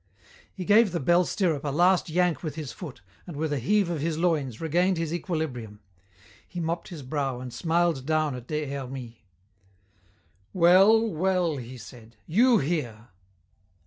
He gave the bell stirrup a last yank with his foot and with a heave of his loins regained his equilibrium. He mopped his brow and smiled down at Des Hermies. "Well! well!" he said, "you here."